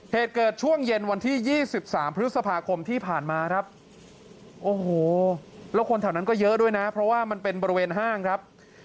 เหตุเกิดช่วงเย็นวันที่๒๓พฤษภาคมที่ผ่านมาครับโอ้โหแล้วคนแถวนั้นก็เยอะด้วยนะเพราะว่ามันเป็นบริเวณห้างครับ